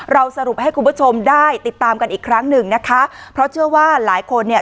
สรุปให้คุณผู้ชมได้ติดตามกันอีกครั้งหนึ่งนะคะเพราะเชื่อว่าหลายคนเนี่ย